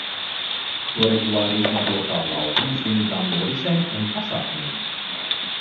To regulāri izmanto kā laukumu svinīgām norisēm un pasākumiem.